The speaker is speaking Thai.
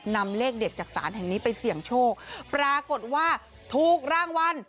นำเลขเด็ดจากศาลแห่งนี้ไปเสี่ยงโชคปรากฏว่าถูกรางวัล